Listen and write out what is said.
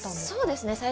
そうですね。